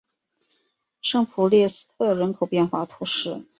圣普列斯特人口变化图示